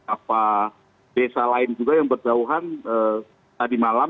apa desa lain juga yang berjauhan tadi malam